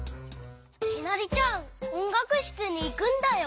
きなりちゃんおんがくしつにいくんだよ。